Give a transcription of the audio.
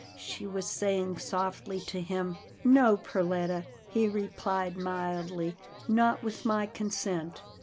she was saying softly to him. "No, Perletta," he replied mildly, "not with my consent.